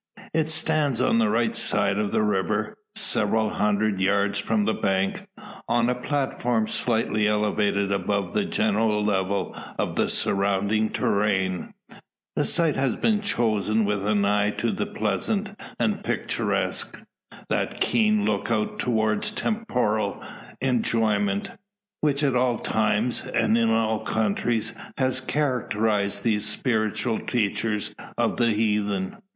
It stands on the right side of the river, several hundred yards from the bank, on a platform slightly elevated above the general level of the surrounding terrain. The site has been chosen with an eye to the pleasant and picturesque that keen look out towards temporal enjoyment, which at all times, and in all countries, has characterised these spiritual teachers of the heathen.